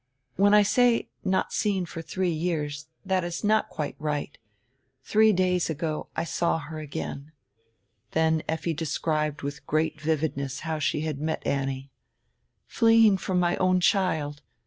"When I say, 'not seen for three years,' that is not quite right. Three days ago I saw her again." Then Effi described with great vividness how she had met Annie. "Fleeing from my own child.